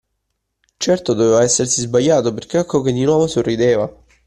Certo, doveva essersi sbagliato, perché ecco che di nuovo sorrideva.